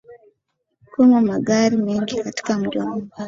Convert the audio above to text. Kuma magari mengi katika mji wa Mombasa